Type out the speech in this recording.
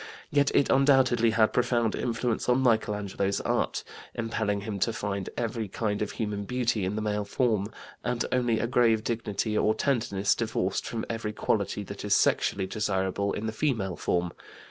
Yet it undoubtedly had profound influence on Michelangelo's art, impelling him to find every kind of human beauty in the male form, and only a grave dignity or tenderness, divorced from every quality that is sexually desirable, in the female form.